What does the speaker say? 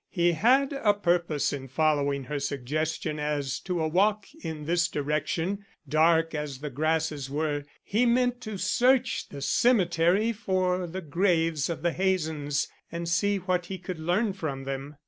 He had a purpose in following her suggestion as to a walk in this direction. Dark as the grasses were, he meant to search the cemetery for the graves of the Hazens and see what he could learn from them.